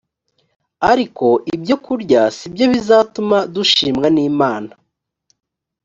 ariko ibyokurya si byo bizatuma dushimwa n imana